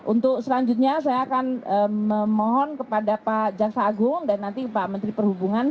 untuk selanjutnya saya akan memohon kepada pak jaksa agung dan nanti pak menteri perhubungan